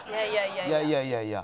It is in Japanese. いやいやいやいや。